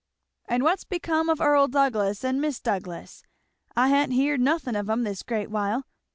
"And what's become of Earl Douglass and Mis' Douglass? I hain't heerd nothin' of 'em this great while.